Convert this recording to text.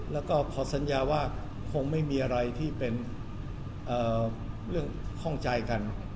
แล้วก็ขอสัญญาว่าคงไม่มีอะไรที่เป็นเรื่องข้องใจกัน